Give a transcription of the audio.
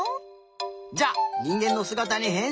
じゃあにんげんのすがたにへんしんだ！